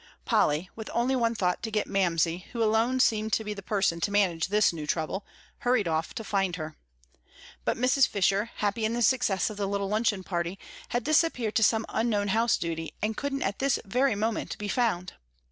Polly, with only one thought to get Mamsie, who alone seemed to be the person to manage this new trouble, hurried off to find her. But Mrs. Fisher, happy in the success of the little luncheon party, had disappeared to some unknown house duty, and couldn't at this very moment be found.